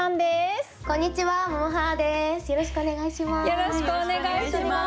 よろしくお願いします。